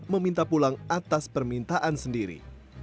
meminta pulang atas permintaan sendiri